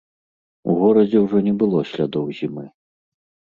У горадзе ўжо не было слядоў зімы.